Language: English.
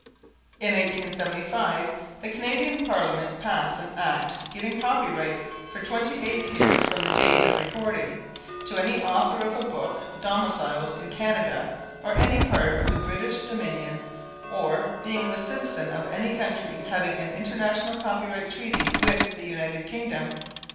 In 1875, the Canadian Parliament passed an Act giving copyright for twenty eight years from the date of recording, to any author of a book domiciled in Canada or in any part of the British dominions or being the citizen of any country having an International Copyright Treaty with the United Kingdom.